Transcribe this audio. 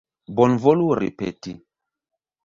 Bonvolu ripeti.